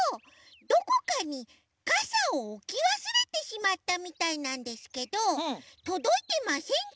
どこかにかさをおきわすれてしまったみたいなんですけどとどいてませんか？